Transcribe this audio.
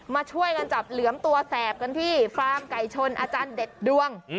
มาช่วยกันจับเหลือมตัวแสบกันที่ฟาร์มไก่ชนอาจารย์เด็ดดวง